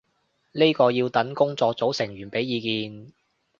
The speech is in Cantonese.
呢個要等工作組成員畀意見